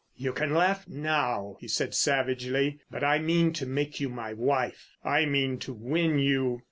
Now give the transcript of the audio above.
"You can laugh now," he said savagely. "But I mean to make you my wife. I mean to win you.